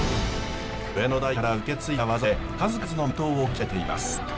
親の代から受け継いだ技で数々の名刀を鍛えています。